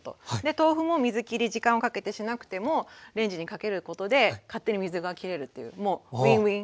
豆腐も水きり時間をかけてしなくてもレンジにかけることで勝手に水がきれるっていうもうウィンウィン。